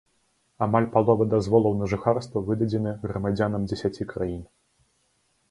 Амаль палова дазволаў на жыхарства выдадзены грамадзянам дзесяці краін.